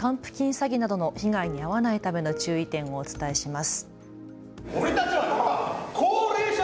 詐欺などの被害に遭わないための注意点をお伝えします。